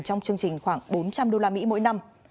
trong chương trình khoảng bốn trăm linh đô la mỹ mỗi năm